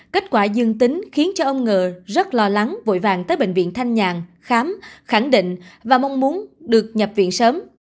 kết quả dương tính khiến ông ngờ rất lo lắng vội vàng tới bệnh viện thanh nhàng khám khẳng định và mong muốn được nhập viện sớm